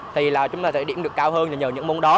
thì là chúng ta sẽ điểm được cao hơn thì nhờ những môn đó